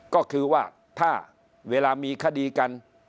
ก็คือว่าถ้าเวลามีคดีกัน